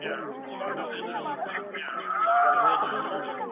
• چوپ دی نغمه زار د آدم خان او درخانیو,